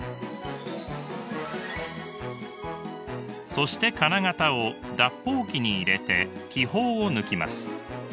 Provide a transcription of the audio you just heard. そして金型を脱泡機に入れて気泡を抜きます。